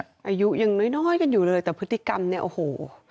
อายุยังน้อยกันอยู่เลยแต่พฤติกรรมเนี่ยโอ้โห